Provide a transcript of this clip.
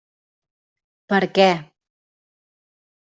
Per què.